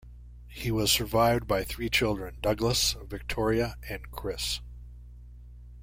He was survived by three children, Douglas, Victoria and Chris.